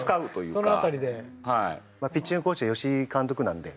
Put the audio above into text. ピッチングコーチは吉井監督なので。